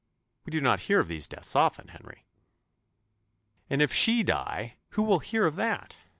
We do not hear of these deaths often, Henry." "And if she die, who will hear of that?